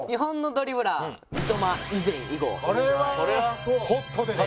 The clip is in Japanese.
これはホットですね